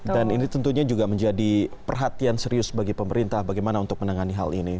dan ini tentunya juga menjadi perhatian serius bagi pemerintah bagaimana untuk menangani hal ini